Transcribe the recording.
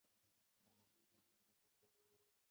彼得曼冰川是格陵兰岛上的一个冰川。